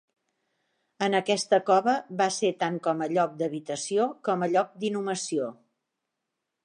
En aquesta cova va ser tant com a lloc d'habitació, com a lloc d'inhumació.